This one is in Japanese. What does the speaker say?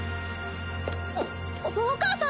おお母さん。